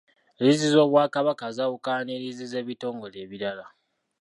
Liizi z’Obwakabaka zaawukana ne liizi z'ebitongole ebirala.